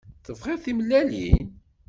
Tebɣiḍ timellalin?